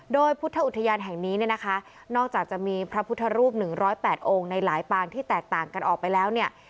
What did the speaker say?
โดยพุทธอุทยานแห่งนี้เนี่ยนะคะนอกจากจะมีพระพุทธรูป๑๐๘องค์ในหลายปางที่แตกต่างกันออกไปแล้วเนี่ย